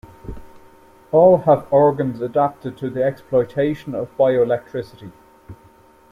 All have organs adapted to the exploitation of bioelectricity.